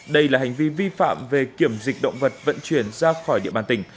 đây là hành vi vi phạm về kiểm dịch động vật vận chuyển ra khỏi địa bàn tỉnh